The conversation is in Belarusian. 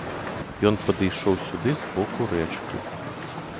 Ён падышоў сюды з боку рэчкі.